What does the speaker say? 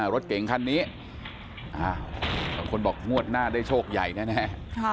รถเก่งคันนี้บางคนบอกงวดหน้าได้โชคใหญ่แน่